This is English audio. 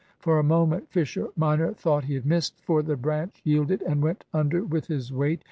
For a moment Fisher minor thought he had missed; for the branch yielded and went under with his weight.